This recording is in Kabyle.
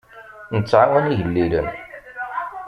Nettɛawan igellilen.